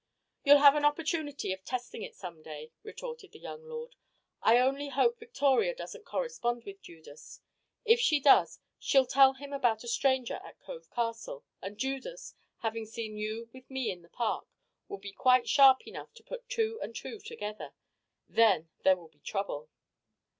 "You'll have an opportunity of testing it some day," retorted the young lord. "I only hope Victoria doesn't correspond with Judas. If she does, she'll tell him about a stranger at Cove Castle, and Judas, having seen you with me in the Park, will be quite sharp enough to put two and two together. Then there will be trouble."